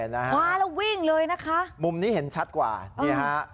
นะฮะมาแล้ววิ่งเลยนะคะมุมนี้เห็นชัดกว่านี่ฮะ